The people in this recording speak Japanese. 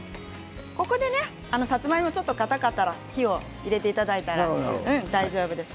ここでね、さつまいもちょっとかたかったら火を入れていただいたらね大丈夫です。